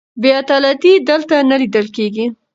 بې عدالتي دلته نه لیدل کېږي.